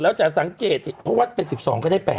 เราจะสังเกตเพราะว่าเป็น๑๒ก็ได้๘ก็ได้